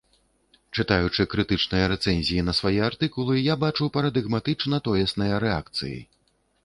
Чытаючы крытычныя рэцэнзіі на свае артыкулы, я бачу парадыгматычна тоесныя рэакцыі.